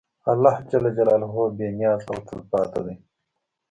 الله بېنیاز او تلپاتې دی.